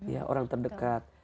ya orang terdekat